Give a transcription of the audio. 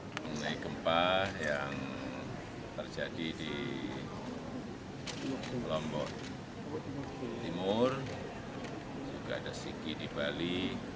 mengenai gempa yang terjadi di lombok timur juga ada siki di bali